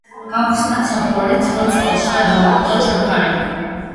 გავხსნათ საფუარი თბილ წყალში და დავამატოთ შაქარი.